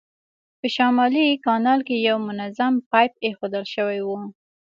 په شمالي کانال کې یو منظم پایپ اېښودل شوی و.